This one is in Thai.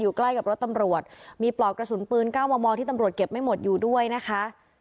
ใกล้กับรถตำรวจมีปลอกกระสุนปืน๙มมที่ตำรวจเก็บไม่หมดอยู่ด้วยนะคะ